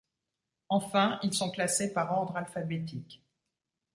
Enfin, ils sont classés par ordre alphabétique.